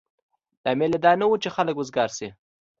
لامل یې دا نه و چې خلک وزګار شي.